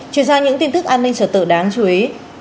chuyển sang những tin tức an ninh trở tự đáng chú ý